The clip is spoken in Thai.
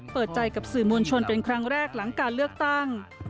เปิดใจกับสื่อมวลชนเป็นครั้งแรกหลังการเลือกตั้ง